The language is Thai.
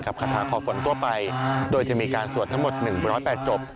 คาถาขอฝนทั่วไปโดยจะมีการสวดทั้งหมด๑๐๘จบ